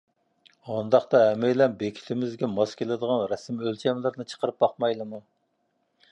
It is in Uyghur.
ئۇنداقتا ھەممەيلەن بېكىتىمىزگە ماس كېلىدىغان رەسىم ئۆلچەملىرىنى چىقىرىپ باقمايلىمۇ؟